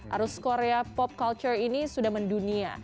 arus korea pop culture ini sudah mendunia